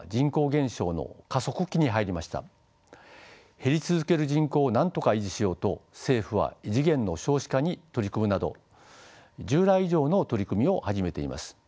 減り続ける人口をなんとか維持しようと政府は異次元の少子化に取り組むなど従来以上の取り組みを始めています。